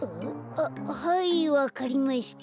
あっはいわかりました。